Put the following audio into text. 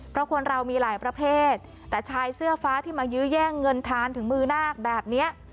เพราะคนเรามีหลายประเภทแต่ชายเสื้อฟ้าที่มายื้อแย่งเงินทานถึงมือนาคแบบนี้